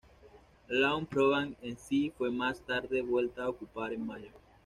Luang Prabang en sí fue más tarde vuelta a ocupar en mayo.